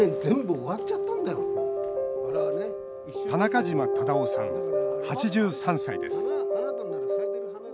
田中嶋忠雄さん、８３歳です。